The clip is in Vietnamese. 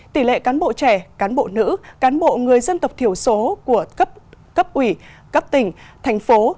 tỷ lệ cán bộ trẻ cán bộ nữ cán bộ người dân tộc thiểu số của cấp ủy cấp tỉnh thành phố